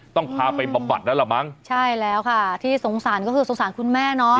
ต้องพาไปบำบัดแล้วล่ะมั้งใช่แล้วค่ะที่สงสารก็คือสงสารคุณแม่เนาะ